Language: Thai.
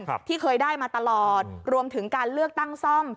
ที่เคยได้มาตลอดรวมถึงการเลือกตั้งซ่อม